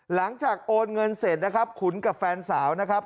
หลังจากโอนเงินเสร็จนะครับขุนกับแฟนสาวนะครับ